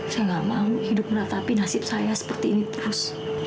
saya gak mau hidup menetapi nasib saya seperti ini terus